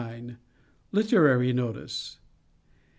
LITERARY NOTICE.